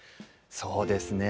そうですね。